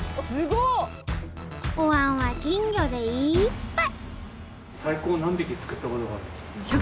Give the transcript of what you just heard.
おわんは金魚でいっぱい！